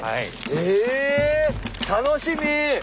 ええ楽しみ！